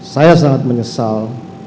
saya sangat menyesal